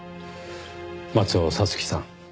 松尾紗月さん。